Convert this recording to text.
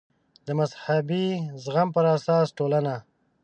د مذهبي زغم پر اساس ټولنه